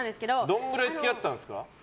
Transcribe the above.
どのぐらい付き合ってたんですか？